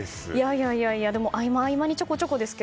合間合間にちょこちょこですが。